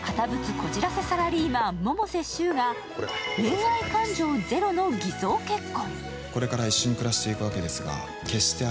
こじらせサラリーマン、百瀬柊が恋愛感情ゼロの偽装結婚。